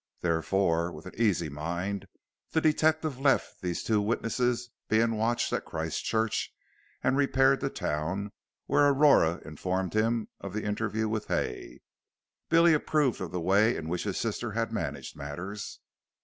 Therefore, with an easy mind the detective left these two witnesses being watched at Christchurch and repaired to town, where Aurora informed him of the interview with Hay. Billy approved of the way in which his sister had managed matters.